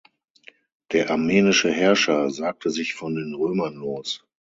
Der armenische Herrscher sagte sich von den Römern los.